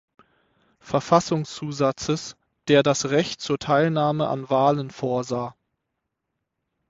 Verfassungszusatzes, der das Recht zur Teilnahme an Wahlen vorsah.